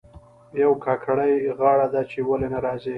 یوه کاکړۍ غاړه ده چې ولې نه راځي.